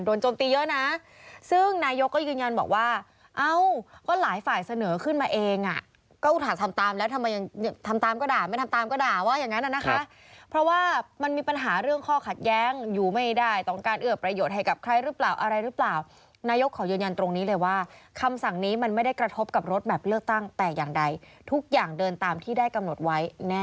โดนจมตีเยอะนะซึ่งนายกก็ยืนยันบอกว่า